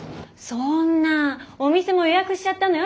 そんなお店も予約しちゃったのよ？